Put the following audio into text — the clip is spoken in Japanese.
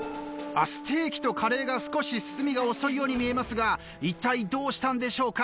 あっステーキとカレーが少し進みが遅いように見えますがいったいどうしたんでしょうか？